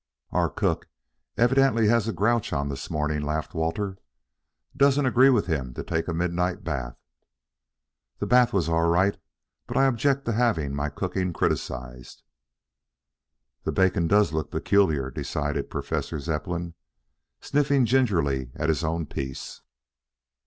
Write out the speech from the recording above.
"Our cook evidently has a grouch on this morning," laughed Walter. "Doesn't agree with him to take a midnight bath." "The bath was all right, but I object to having my cooking criticised." "The bacon does look peculiar," decided Professor Zepplin, sniffing gingerly at his own piece.